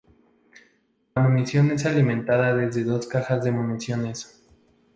La munición es alimentada desde dos cajas de municiones.